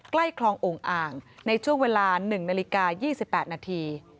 ใกล้คลององค์อ่างในช่วงเวลา๑นาฬิกา๒๘นาที